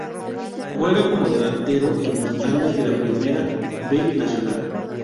Juega como delantero en Los Andes de la Primera B Nacional.